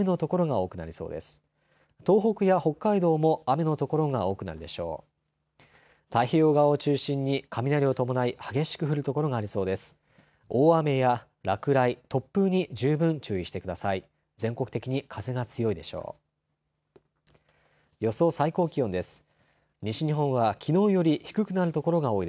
大雨や落雷、突風に十分注意してください。